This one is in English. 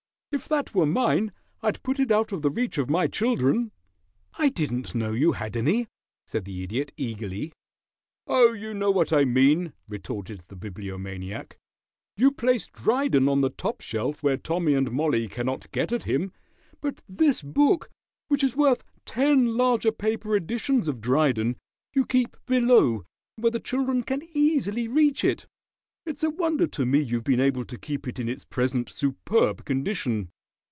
"If that were mine I'd put it out of the reach of my children." "I didn't know you had any," said the Idiot, eagerly. "Oh, you know what I mean," retorted the Bibliomaniac. "You place Dryden on the top shelf where Tommy and Mollie cannot get at him. But this book, which is worth ten larger paper editions of Dryden, you keep below, where the children can easily reach it. It's a wonder to me you've been able to keep it in its present superb condition."